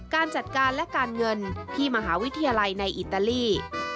การจัดการและการเงินที่มหาวิทยาลัยในอิตาลี